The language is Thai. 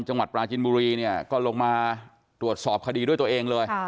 จังหวัดปราจินบุรีเนี่ยก็ลงมาตรวจสอบคดีด้วยตัวเองเลย